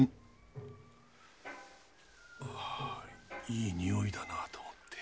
いい匂いだなと思って。